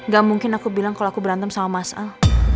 gak mungkin aku bilang kalau aku berantem sama mas al